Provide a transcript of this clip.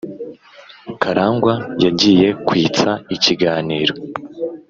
karangwa yagiye kwitsa ikiganiro